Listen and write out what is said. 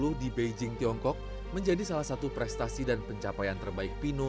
asean games seribu sembilan ratus sembilan puluh di beijing tiongkok menjadi salah satu prestasi dan pencapaian terbaik pino